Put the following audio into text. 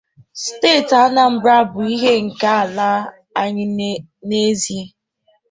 Steeti Anambra bụ ìhè nke ala anyị n'ezie.